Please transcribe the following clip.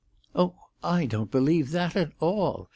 "Oh, I don't believe that at all.